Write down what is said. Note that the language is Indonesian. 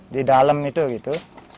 di dalam itu gitu